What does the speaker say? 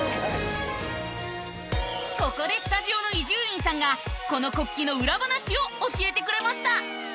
ここでスタジオの伊集院さんがこの国旗の裏話を教えてくれました！